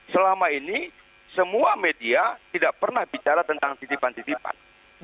selama ini semua media tidak pernah bicara tentang titipan titipan